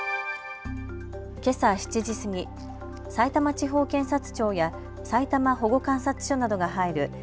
けさ７時過ぎさいたま地方検察庁やさいたま保護観察所などが入る